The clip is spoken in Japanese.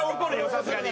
さすがに。